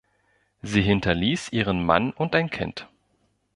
Sie hinterließ ihren Mann und ein Kind.